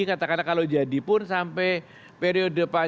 katakanlah kalau jadi pun sampai periode